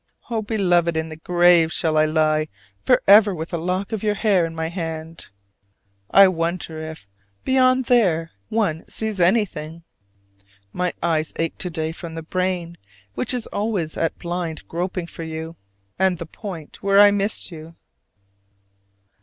Oh, Beloved, in the grave I shall lie forever with a lock of your hair in my hand. I wonder if, beyond there, one sees anything? My eyes ache to day from the brain, which is always at blind groping for you, and the point where I missed you.